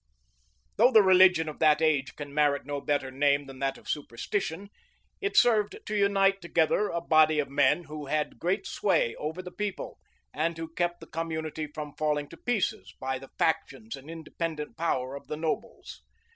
Though the religion of that age can merit no better name than that of superstition, it served to unite together a body of men who had great sway over the people, and who kept the community from falling to pieces, by the factions and independent power of the nobles.